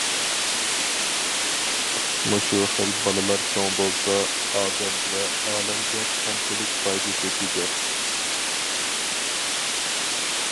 مۇشۇ خىل بالىلار چوڭ بولسا ئادەم ۋە ئالەمگە قانچىلىك پايدىسى تېگەر؟!